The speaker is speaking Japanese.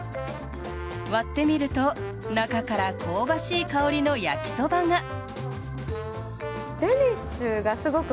割ってみると中から香ばしい香りの焼きそばが。